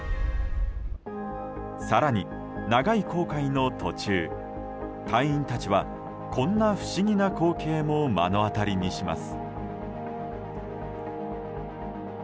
更に、長い航海の途中隊員たちはこんな不思議な光景も目の当たりにします。